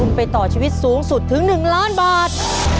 คุณไปต่อชีวิตสูงสุดถึง๑ล้านบาท